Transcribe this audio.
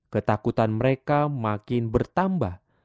ketakutan mereka makin bertambah